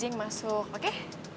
oke jeng masuk oke